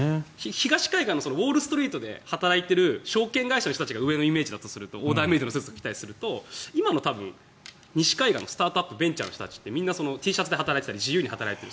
東海岸のウォールストリートで働いている証券会社の人たちが上のイメージオーダーメイドだとするとスタートアップのベンチャーの人たちってみんなＴシャツで働いたり自由で働いている。